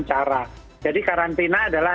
cara jadi karantina adalah